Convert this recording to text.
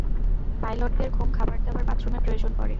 পাইলটদের ঘুম, খাবার-দাবার, বাথরুমের প্রয়োজন পড়ে।